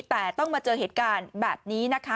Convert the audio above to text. แต่ต้องมาเจอเหตุการณ์แบบนี้นะคะ